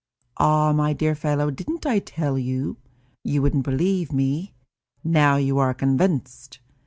Ah, my dear fellow, didn't I tell you? You wouldn't believe me; now you are convinced.